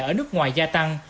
ở nước ngoài gia tăng